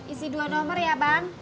isi dua nomor ya bang